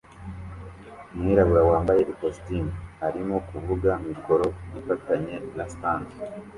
Umwirabura wambaye ikositimu arimo kuvuga mikoro ifatanye na stand